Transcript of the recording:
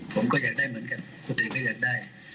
ผมก็อยากได้เหมือนกันคนอื่นก็อยากได้